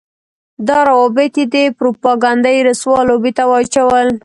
دا روابط يې د پروپاګنډۍ رسوا لوبې ته واچول.